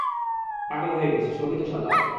পাগল হয়ে গেছি, সবই তো সাদা।